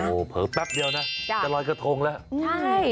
โหเผลอแป๊บเดียวนะจะร้อยกระทงละใช่